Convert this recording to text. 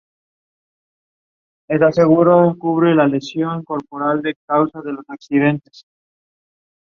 La antropóloga fue capaz de superar temperaturas extremas, animales salvajes, hambre y enfermedades.